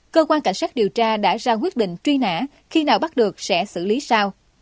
cơ quan cảnh sát điều tra đã ra quyết định truy nã khi nào bắt được sẽ xử lý sao